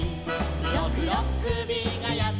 「ろくろっくびがやってきた」